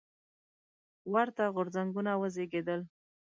ورته غورځنګونه وزېږېدل.